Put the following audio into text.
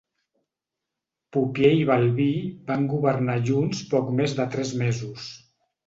Pupiè i Balbí van governar junts poc més de tres mesos.